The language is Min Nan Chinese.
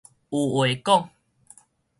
有話講